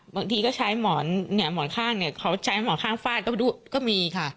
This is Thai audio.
บางทีก็ใช้หมอนเนี่ยหมอนข้างเนี่ยเขาใช้หมอนข้างฟาดก็ไปดูก็มีค่ะ